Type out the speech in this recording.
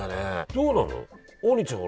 どうなの？